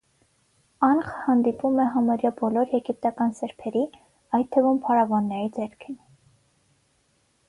Անխ հանդիպում է համարյա բոլոր եգիպտական սրբերի՝ այդ թվում փարավոնների ձեռքին։